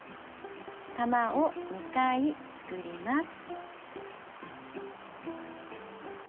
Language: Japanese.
玉を２回作ります。